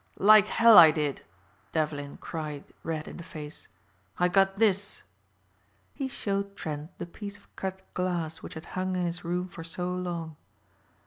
"Like hell I did," Devlin cried red in the face, "I got this." He showed Trent the piece of cut glass which had hung in his room for so long.